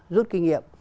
rút kinh nghiệm